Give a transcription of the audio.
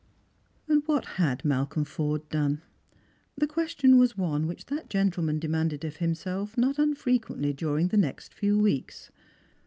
What had Malcolm Forde done? The question was one which that gentleman demanded of himself not unfrequently during the next few weeks.